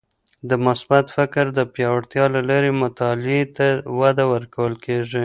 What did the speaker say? د مثبت فکر د پیاوړتیا له لارې مطالعې ته وده ورکول کیږي.